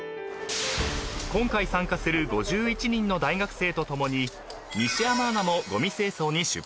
［今回参加する５１人の大学生と共に西山アナもごみ清掃に出発］